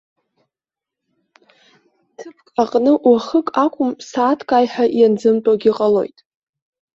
Ҭыԥк аҟны, уахык акәым, сааҭк аиҳа ианзымтәогьы ҟалоит.